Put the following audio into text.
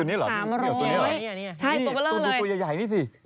ใช่ตัวเบลอเลยตัวใหญ่นี่สิ